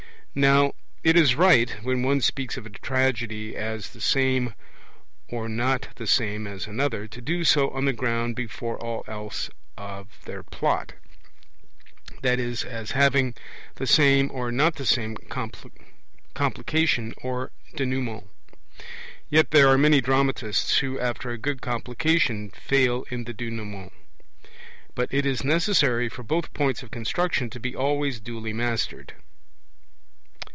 Now it is right, when one speaks of a tragedy as the same or not the same as another, to do so on the ground before all else of their Plot, i.e. as having the same or not the same Complication and Denouement. Yet there are many dramatists who, after a good Complication, fail in the Denouement. But it is necessary for both points of construction to be always duly mastered.